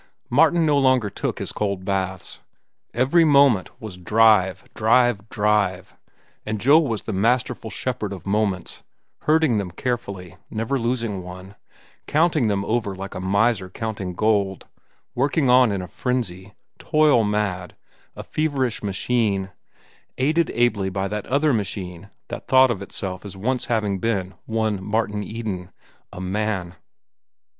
Martin no longer took his cold baths. Every moment was drive, drive, drive, and Joe was the masterful shepherd of moments, herding them carefully, never losing one, counting them over like a miser counting gold, working on in a frenzy, toil mad, a feverish machine, aided ably by that other machine that thought of itself as once having been one Martin Eden, a man.